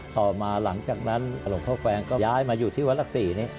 ต่อมาหลังจากนั้นหลวงพ่อแฟงก็ย้ายมาอยู่ที่วัดหลักศรีนี้